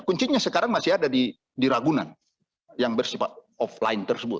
kuncinya sekarang masih ada di ragunan yang bersifat offline tersebut